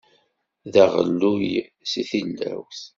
D aɣelluy seg tilawt.